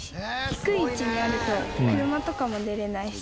低い位置にあると車とかも出られないし。